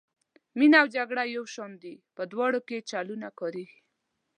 مینه او جګړه یو شان دي په دواړو کې چلونه کاریږي.